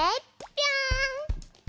ぴょん！